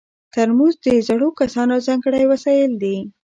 ترموز د زړو کسانو ځانګړی وسایل دي.